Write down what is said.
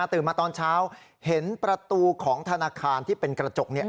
ตื่นมาตอนเช้าเห็นประตูของธนาคารที่เป็นกระจก